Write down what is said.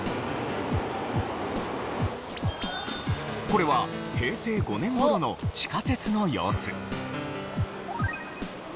これは平成５年頃の地下鉄の様子。